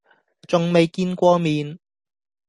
仲未見過面